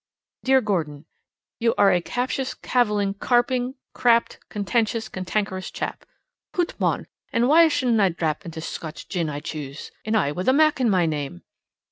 Dear Gordon: You are a captious, caviling, carping, crabbed, contentious, cantankerous chap. Hoot mon! an' why shouldna I drap into Scotch gin I choose? An' I with a Mac in my name.